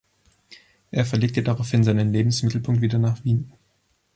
Er verlegte daraufhin seinen Lebensmittelpunkt wieder nach Wien.